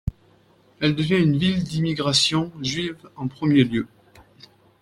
Elle devient une ville d'immigration, juive en premier lieu.